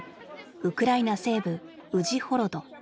ウクライナ西部ウジホロド。